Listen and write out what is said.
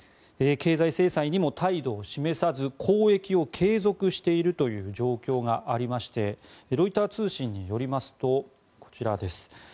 経済制裁にも態度を示さず交易を継続している状況がありましてロイター通信によりますとこちらです。